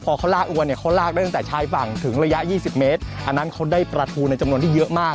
พอเขาลากอวนเนี่ยเขาลากได้ตั้งแต่ชายฝั่งถึงระยะยี่สิบเมตรอันนั้นเขาได้ปลาทูในจำนวนที่เยอะมาก